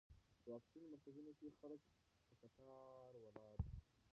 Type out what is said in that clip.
په واکسین مرکزونو کې خلک په کتار ولاړ دي.